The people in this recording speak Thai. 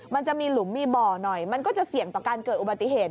มันจะมีหลุมมีบ่อหน่อยมันก็จะเสี่ยงต่อการเกิดอุบัติเหตุ